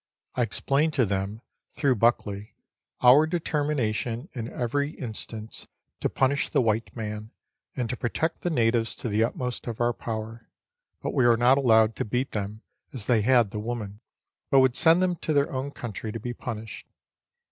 I explained to them, through Buckley, our determination, in every instance, to punish the white man, and to protect the natives to the utmost of our power ; but we were not allowed to beat them, as they had the woman, but would send them to their own country to be punished.